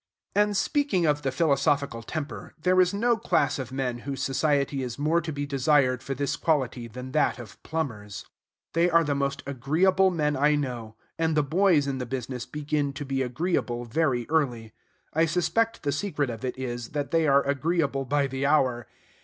And, speaking of the philosophical temper, there is no class of men whose society is more to be desired for this quality than that of plumbers. They are the most agreeable men I know; and the boys in the business begin to be agreeable very early. I suspect the secret of it is, that they are agreeable by the hour.